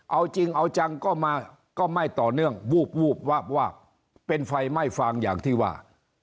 เอาจริงเอาจังก็ไม่ต่อเนื่องวูบวากเป็นไฟไม่ฟังอย่างที่ว่า